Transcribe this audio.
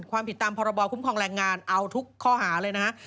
ความผิดตามพรบคุ้มครองแรงงานเอาทุกข้อหาเลยนะฮะ